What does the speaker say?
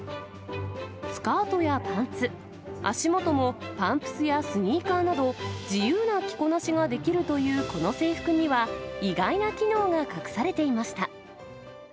スカートやパンツ、足元もパンプスやスニーカーなど、自由な着こなしができるというこの制服には、意外な機能が隠されていました。